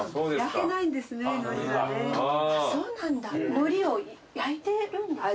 海苔を焼いてるんですか？